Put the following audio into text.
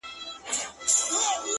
په تهمتونو کي بلا غمونو-